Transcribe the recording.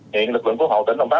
hiện lực lượng cứu hộ tỉnh đồng bắc